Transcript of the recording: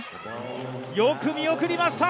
よく見送りました。